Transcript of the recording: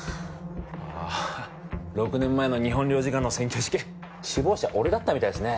ああ６年前の日本領事館の占拠事件首謀者俺だったみたいですね